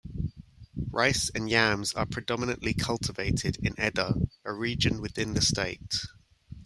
Rice and yams are predominantly cultivated in Edda, a region within the state.